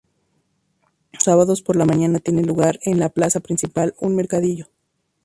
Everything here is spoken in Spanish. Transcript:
Todos los sábados por la mañana tiene lugar en la Plaza principal un mercadillo.